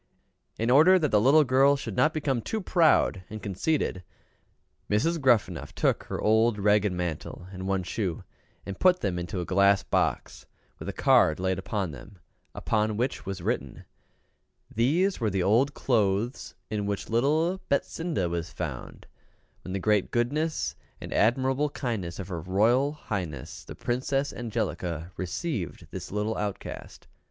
In order that the little girl should not become too proud and conceited, Mrs. Gruffanuff took her old ragged mantle and one shoe, and put them into a glass box, with a card laid upon them, upon which was written, "These were the old clothes in which little BETSINDA was found when the great goodness and admirable kindness of her Royal Highness the Princess Angelica, received this little outcast."